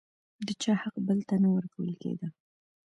د چا حق بل ته نه ورکول کېده.